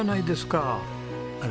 あれ？